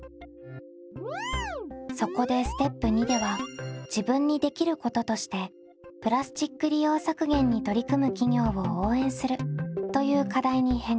そこでステップ②では自分にできることとしてプラスチック利用削減に取り組む企業を応援するという課題に変更。